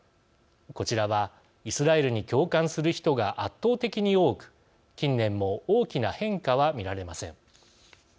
こちらはイスラエルに共感する人が圧倒的に多く近年も大きな変化は見られません。